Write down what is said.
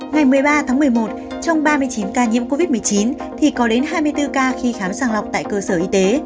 ngày một mươi ba tháng một mươi một trong ba mươi chín ca nhiễm covid một mươi chín thì có đến hai mươi bốn ca khi khám sàng lọc tại cơ sở y tế